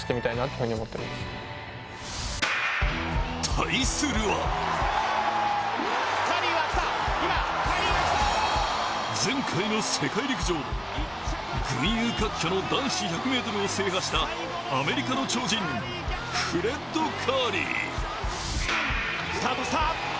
対するは前回の世界陸上、群雄割拠の男子１００ｍを制したアメリカの超人、フレッド・カーリー。